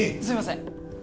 すいません